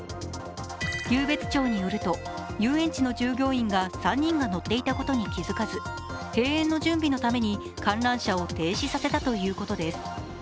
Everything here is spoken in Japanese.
湧別町によると遊園地の従業員が３人が乗っていたことに気づかず、閉園の準備のために観覧車を停止させたということです。